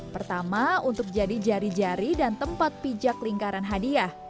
pertama untuk jadi jari jari dan tempat pijak lingkaran hadiah